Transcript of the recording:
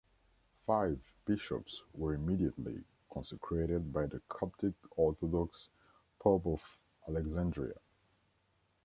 Five bishops were immediately consecrated by the Coptic Orthodox Pope of Alexandria.